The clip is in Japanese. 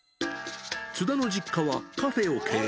津田の実家はカフェを経営。